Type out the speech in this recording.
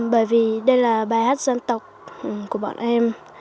bởi vì đây là bài hát dân tộc của bọn em